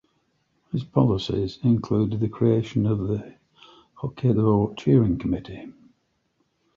His policies include the creation of the "Hokkaido Cheering Committee".